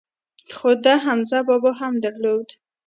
خو ده حمزه بابا هم درلود.